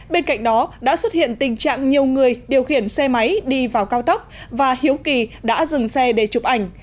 bên cạnh đó đã xuất hiện tình trạng nhiều người điều khiển xe máy đi vào cao tốc và hiếu kỳ đã dừng xe để chụp ảnh